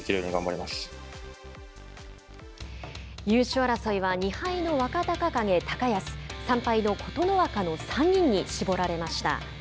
優勝争いは２敗の若隆景、高安３敗の琴ノ若の３人に絞られました。